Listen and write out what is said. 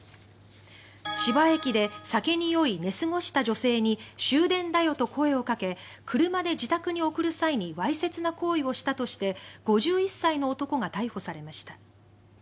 千葉駅で酒に酔い、寝過ごした女性に終電だよと声をかけ車で自宅に送る際にわいせつな行為をしたとして５１歳の男が逮捕されました。